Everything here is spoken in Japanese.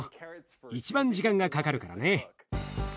一番時間がかかるからね。